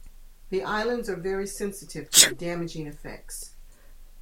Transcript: The islands are very sensitive to the damaging effects.